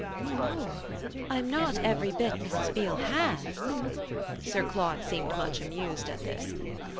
"Oh I'm not every bit Mrs. Beale has!" Sir Claude seemed much amused at this.